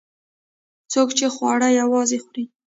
څوک چې خواړه یوازې خوري.